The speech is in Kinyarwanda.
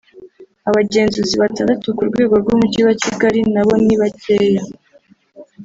abagenzuzi batandatu ku rwego rw’umujyi wa Kigali nabo ni bakeya